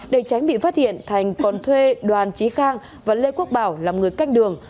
để tránh bị phát hiện thành còn thuê đoàn trí khang và lê quốc bảo làm người canh đường